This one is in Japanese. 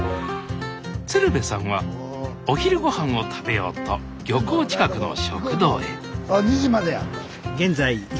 鶴瓶さんはお昼ごはんを食べようと漁港近くの食堂へあ２時までや。